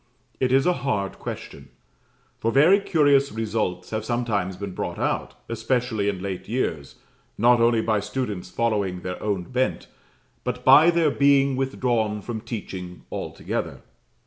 It is a hard question. For very curious results have sometimes been brought out, especially in late years, not only by students following their own bent, but by their being withdrawn from teaching altogether.